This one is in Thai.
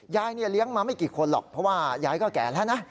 ยายเนี่ยเลี้ยงมาไม่กี่คนหรอกเพราะว่ายายก็แก่แล้วนะ